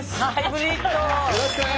よろしくお願いします。